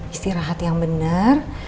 istirahat yang benar